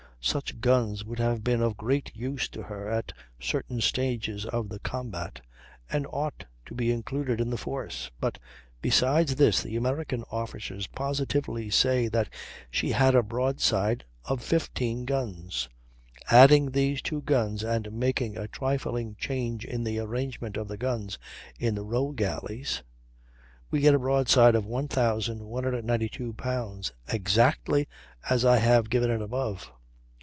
Such guns would have been of great use to her at certain stages of the combat, and ought to be included in the force. But besides this the American officers positively say that she had a broadside of 15 guns. Adding these two guns, and making a trifling change in the arrangement of the guns in the row galleys, we get a broadside of 1,192 lbs., exactly as I have given it above.